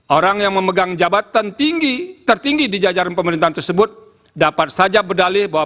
orang yang memegang jabatan tinggi tertinggi di jajaran pemerintahan tersebut dapat saja berdalih bahwa